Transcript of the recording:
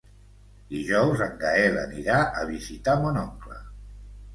Dijous en Gaël anirà a visitar mon oncle.